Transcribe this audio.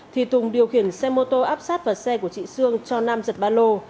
thì tùng điều khiển xe mô tô áp sát vào xe của chị sương cho nam giật ba lô